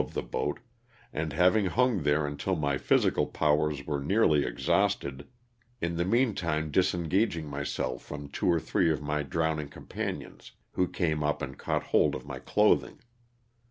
of the boat, and having hung there until my physical powers were nearly exhausted, in the meantime disen gaging myself from two or three of my drowning com panions, who came up and caught hold of my clothing.